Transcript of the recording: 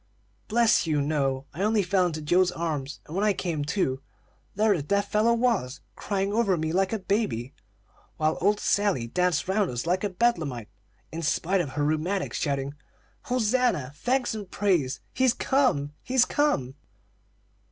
"Bless you, no! I only fell into Joe's arms, and when I came to, there the dear fellow was, crying over me like a baby, while old Sally danced round us like a bedlamite, in spite of her rheumatics, shouting: 'Hosanna! Thanks and praise! He's come, he's come!'"